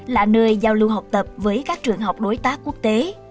là nơi giao lưu học tập với các trường học đối tác quốc tế